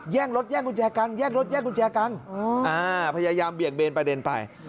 แย่งรถแย่งกุญแจกันพยายามเบียกเบนประเด็นไป